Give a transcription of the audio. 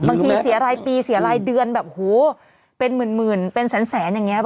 บางทีเสียรายปีเสียรายเดือนแบบหูเป็นหมื่นหมื่นเป็นแสนแสนอย่างเงี้ย